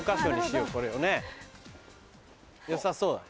良さそうだ。